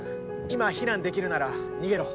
今、避難できるなら逃げろ。